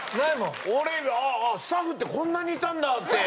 スタッフってこんなにいたんだって。